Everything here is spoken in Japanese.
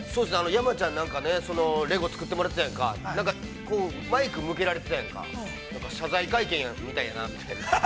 ◆山ちゃん、なんかね、レゴを作ってもらってたやんか、マイク向けられてたやんか、謝罪会見みたいやなって。